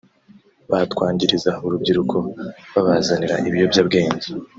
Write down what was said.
batwangiriza urubyiruko babazanira ibiyobyabwenge